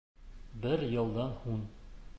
Бер йылдан һуң